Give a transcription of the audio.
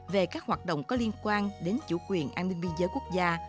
về các hoạt động có liên quan đến chủ quyền an ninh biên giới quốc gia